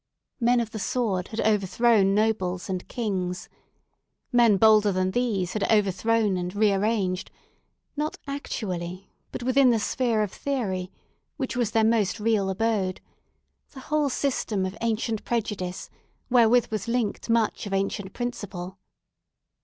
Men of the sword had overthrown nobles and kings. Men bolder than these had overthrown and rearranged—not actually, but within the sphere of theory, which was their most real abode—the whole system of ancient prejudice, wherewith was linked much of ancient principle.